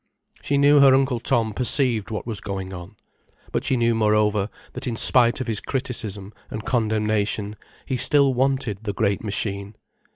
She knew her Uncle Tom perceived what was going on. But she knew moreover that in spite of his criticism and condemnation, he still wanted the great machine.